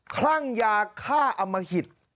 คลั่งยาฆ่าอมหิต